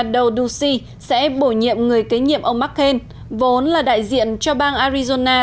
doe ducey sẽ bổ nhiệm người kế nhiệm ông mccain vốn là đại diện cho bang arizona